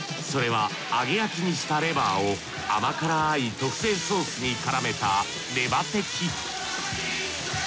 それは揚げ焼きにしたレバーを甘辛い特製ソースに絡めたレバテキ。